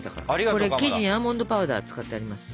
これ生地にアーモンドパウダー使ってあります。